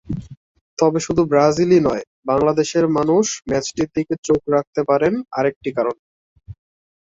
তবে শুধু ব্রাজিলই নয়, বাংলাদেশের মানুষ ম্যাচটির দিকে চোখ রাখতে পারেন আরেকটি কারণে।